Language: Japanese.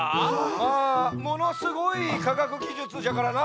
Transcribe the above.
まあものすごいかがくぎじゅつじゃからな。